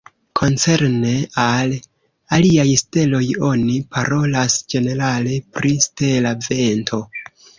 Koncerne al aliaj steloj, oni parolas ĝenerale pri stela vento.